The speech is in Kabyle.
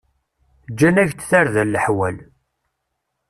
Gǧan-ak-d tarda leḥwal.